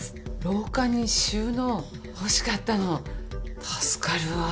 廊下に収納欲しかったの助かるわ。